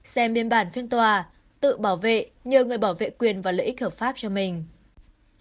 xem biên bản phiên tòa tự bảo vệ nhờ người bảo vệ quyền và lợi ích hợp pháp cho mình